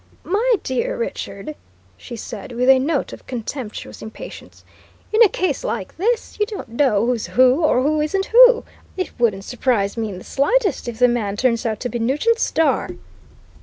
"My dear Richard," she said, with a note of contemptuous impatience, "in a case like this, you don't know who's who or who isn't who! It wouldn't surprise me in the slightest if the man turns out to be Nugent Starr."